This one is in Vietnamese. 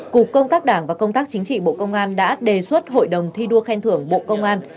cục công tác đảng và công tác chính trị bộ công an đã đề xuất hội đồng thi đua khen thưởng bộ công an